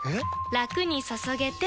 ラクに注げてペコ！